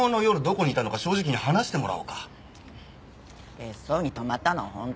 別荘に泊まったのは本当。